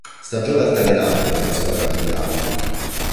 Stagione altalenante per la squadra giuliana.